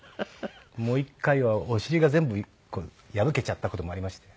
もう１回はお尻が全部破けちゃった事もありまして。